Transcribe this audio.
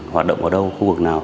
hoạt động ở đâu khu vực nào